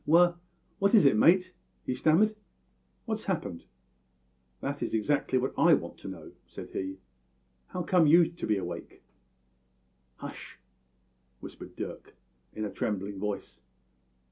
"`Wha what is it, mate?' he stammered. `What's happened?' "`That is exactly what I want to know,' said I. `How come you to be awake?' "`Hush!' whispered Dirk, in a trembling voice.